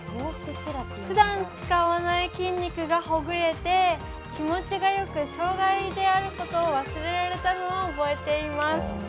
ふだん使わない筋肉がほぐれて気持ちがよく障がいであることを忘れられたのを覚えています。